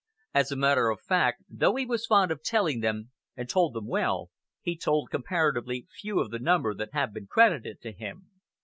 As a matter of fact, though he was fond of telling them, and told them well, he told comparatively few of the number that have been credited to him.